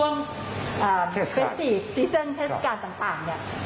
ในช่วงเทสการทั้งเนี่ย